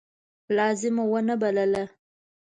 لازمه ونه بلله.